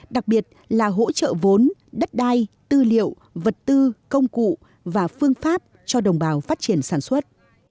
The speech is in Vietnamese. đặc biệt là hỗ trợ vốn đất đai tư liệu vật tư công cụ và phương pháp cho đồng bào phát triển sản xuất